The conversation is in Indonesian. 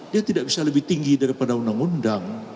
dia tidak bisa lebih tinggi daripada undang undang